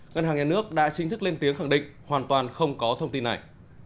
ngân hàng nhà nước đã chính thức lên tiếng khẳng định hoàn toàn không có thông tin này